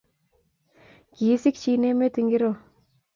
Kikisikchin emet ing ngoro?